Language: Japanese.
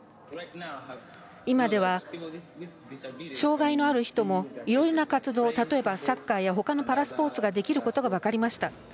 今では、障がいのある人もいろんな活動、例えばサッカーやほかのパラスポーツができることが分かりました。